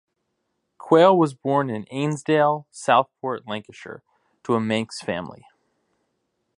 Quayle was born in Ainsdale, Southport, Lancashire, to a Manx family.